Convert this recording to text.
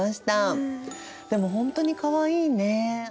でも本当にかわいいね。